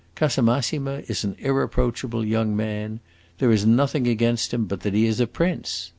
Casamassima is an irreproachable young man; there is nothing against him but that he is a prince.